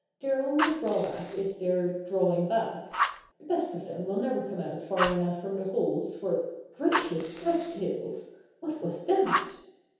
Their only drawback is their drawing back. The best of them will never come out far enough from the holes for Gracious Cattails! What was that?